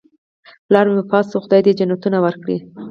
پلار مې وفات شوی، خدای دې جنتونه ورکړي